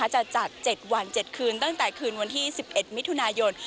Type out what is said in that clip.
จะจัด๗วัน๗คืนตั้งแต่คืนวันที่๑๑มิถุนายน